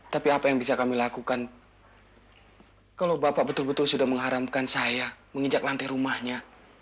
tapi apa yang bisa kami lakukan kalau bapak betul betul sudah mengharamkan saya menginjak lantai rumahnya